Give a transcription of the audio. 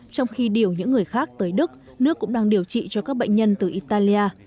trong khi điều những người khác tới đức nước cũng đang điều trị cho các bệnh nhân từ italia